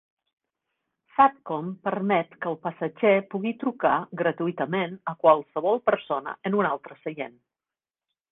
Satcom permet que el passatger pugui trucar gratuïtament a qualsevol persona en un altre seient.